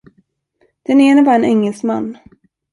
Den ene var en engelsman.